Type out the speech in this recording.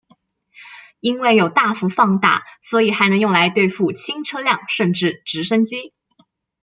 因为有大幅放大所以还能用来对付轻车辆甚至直升机。